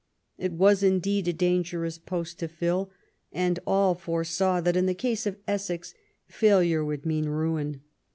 It was indeed a dangerous post to fill ; and all foresaw that, in the case of Essex, failure would mean ruin.